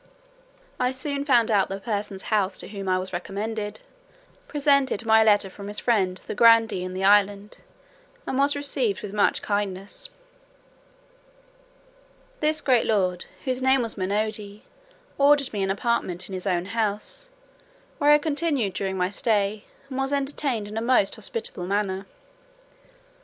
I soon found out the person's house to whom I was recommended, presented my letter from his friend the grandee in the island, and was received with much kindness. This great lord, whose name was Munodi, ordered me an apartment in his own house, where I continued during my stay, and was entertained in a most hospitable manner.